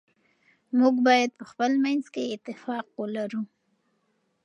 موږ باید په خپل منځ کي اتفاق ولرو.